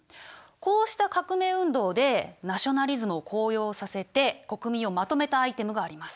こうした革命運動でナショナリズムを高揚させて国民をまとめたアイテムがあります。